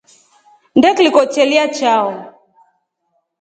Nnde kliko chelya chao.